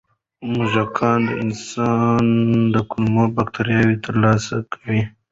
موږکان د انسان د کولمو بکتریاوو ترلاسه کوي.